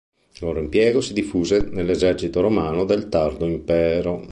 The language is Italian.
Il loro impiego si diffuse nell'esercito romano del tardo impero.